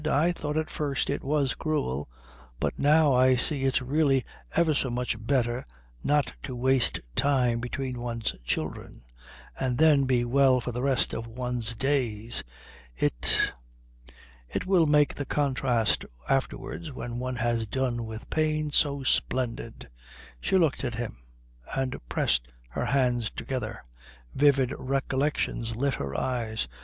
"I thought at first it was cruel, but now I see it's really ever so much better not to waste time between one's children, and then be well for the rest of one's days. It it will make the contrast afterwards, when one has done with pain, so splendid." She looked at him and pressed her hands together. Vivid recollections lit her eyes.